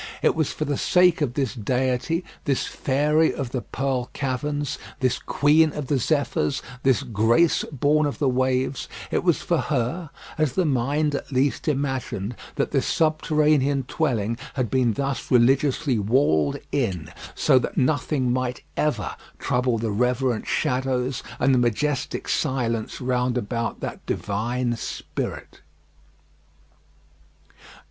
It was for the sake of this deity, this fairy of the pearl caverns, this queen of the Zephyrs, this Grace born of the waves, it was for her as the mind, at least, imagined that this subterranean dwelling had been thus religiously walled in, so that nothing might ever trouble the reverent shadows and the majestic silence round about that divine spirit.